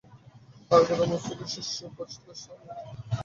অগ্রে কৌটা-মস্তকে শিষ্য, পশ্চাতে স্বামীজী, তারপর অন্যান্য সকলে আসিতে লাগিলেন।